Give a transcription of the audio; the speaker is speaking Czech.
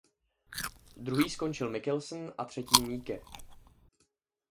Druhý skončil Mikkelsen a třetí Meeke.